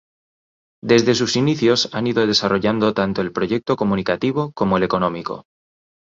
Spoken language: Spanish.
Desde sus inicios han ido desarrollando tanto el proyecto comunicativo como el económico.